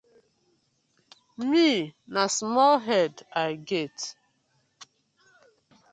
Mi na small head I get.